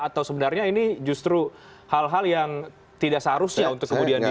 atau sebenarnya ini justru hal hal yang tidak seharusnya untuk kemudian di